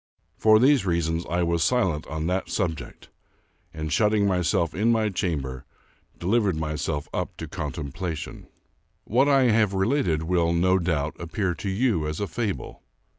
For these reasons I was silent on that subject, and, shutting myself in my chamber, delivered myself up to contemplation. 237 American Mystery Stories What I have related will, no doubt, appear to you a fable.